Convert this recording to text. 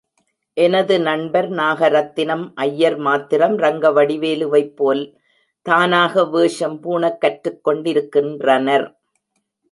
எனது நண்பர் நாகரத்தினம் ஐயர் மாத்திரம், ரங்கவடிவேலுவைப்போல் தானாக வேஷம் பூணக் கற்றுக்கெண்டிருக்கின்றனர்.